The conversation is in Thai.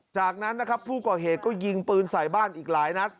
จากนั้นนะครับผู้ก่อเหตุก็ยิงปืนใส่บ้านอีกหลายนัด